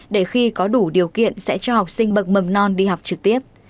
để khi có đủ điều kiện sẽ cho học sinh bậc mầm non đi học trực tiếp